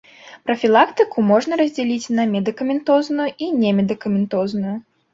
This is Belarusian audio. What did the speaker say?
Прафілактыку можна раздзяліць на медыкаментозную і немедыкаментозную.